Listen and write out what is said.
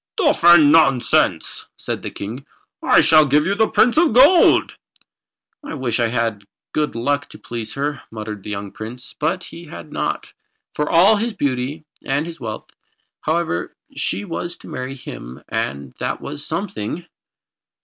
"Stuff and nonsense!" said the King. "I shall give you to the Prince of Gold." "I wish I had the good luck to please her," muttered the young Prince. But he had not, for all his beauty and his wealth. However, she was to marry him, and that was something.